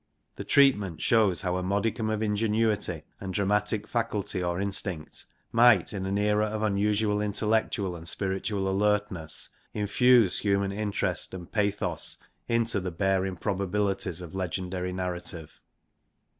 The treatment shows how a modicum of ingenuity and dramatic faculty or instinct might, in an era of unusual in tellectual and spiritual alertness, infuse human interest and pathos into the bare improbabilities of legendary narrative.